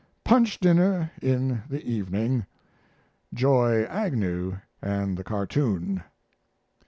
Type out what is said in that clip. Punch dinner in the evening. Joy Agnew and the cartoon.